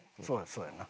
そうやんな。